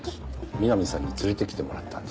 みなみさんに連れてきてもらったんです。